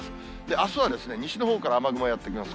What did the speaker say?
あすは西のほうから雨雲やって来ます。